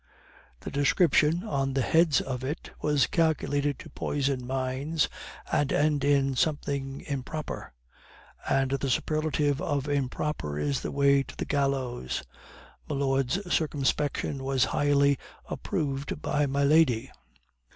The description, on the heads of it, was calculated to poison minds and end in something 'improper.' And the superlative of 'improper' is the way to the gallows. Milord's circumspection was highly approved by my lady.